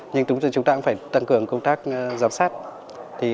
nhưng chúng ta cũng phải tăng cường công tác giám sát